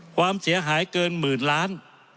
ความเสียหายเกินหมื่นล้าน